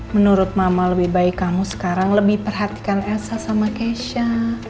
menurut mama lebih baik kamu sekarang lebih perhatikan elsa sama keisha